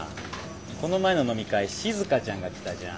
この前の飲み会しずかちゃんが来たじゃん。